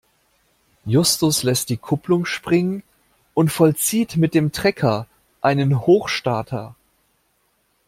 Justus lässt die Kupplung springen und vollzieht mit dem Trecker einen Hochstarter.